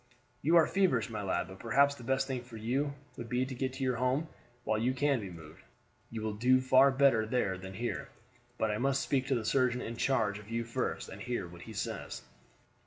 "You are feverish, my lad; but perhaps the best thing for you would be to get you home while you can be moved. You will do far better there than here. But I must speak to the surgeon in charge of you first, and hear what he says."